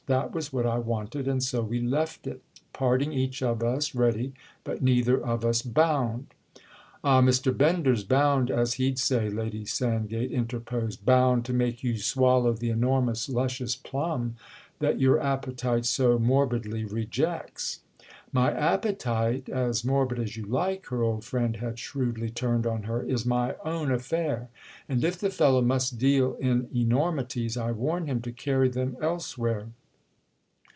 That was what I wanted, and so we left it—parting each of us ready but neither of us bound." "Ah, Mr. Bender's bound, as he'd say," Lady Sand gate interposed—"'bound' to make you swallow the enormous luscious plum that your appetite so morbidly rejects!" "My appetite, as morbid as you like"—her old friend had shrewdly turned on her—"is my own affair, and if the fellow must deal in enormities I warn him to carry them elsewhere!"